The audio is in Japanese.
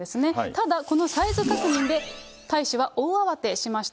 ただ、このサイズ確認で大使は大慌てしました。